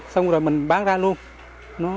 xong rồi mình bán ra luôn